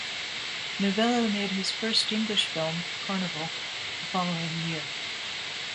Novello made his first English film, "Carnival", the following year.